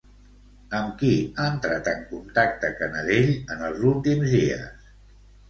Amb qui ha entrat en contacte Canadell en els últims dies?